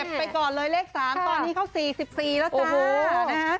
เก็บไปก่อนเลยเลข๓ตอนนี้เขา๔๔แล้วจ้า